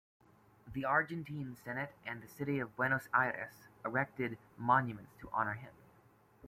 The Argentine Senate and the City of Buenos Aires erected monuments to honour him.